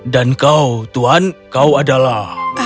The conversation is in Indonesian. dan kau tuhan kau adalah